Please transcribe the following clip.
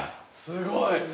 すごい。